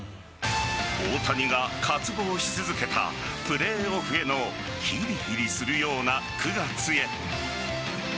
大谷が渇望し続けたプレーオフへのヒリヒリするような９月へ。